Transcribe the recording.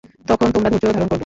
তখন তোমরা ধৈর্য ধারণ করবে।